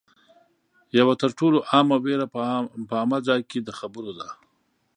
یوه تر ټولو عامه وېره په عامه ځای کې د خبرو ده